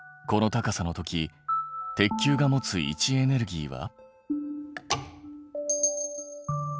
この高さの時鉄球が持つ位置エネルギーは。